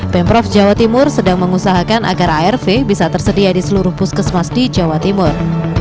pemprov jawa timur sedang mengusahakan agar arv bisa tersedia di seluruh puskesmas di jawa timur